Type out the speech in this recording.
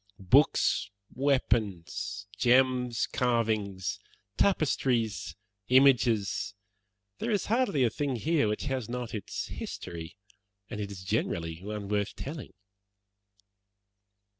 Books, weapons, gems, carvings, tapestries, images there is hardly a thing here which has not its history, and it is generally one worth telling."